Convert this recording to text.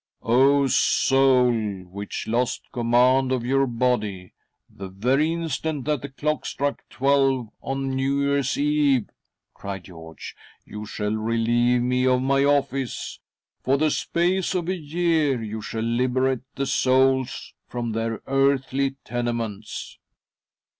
" O soul which lost command of your body, the very instant that the clock struck twelve on New Year's Eve," cried George, " you shall relieve me of my office ! For the space of a year . you shall liberate the souls from their earthly tenements."